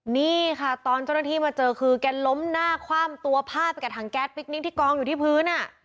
นี่ค่ะตอนเจ้าหน้าที่มาเจอคือกับแรงล้มหน้าความตัวพลาดไปกับทางแก๊สไปดูเรื่องกลัวอยู่ที่พื้นนะ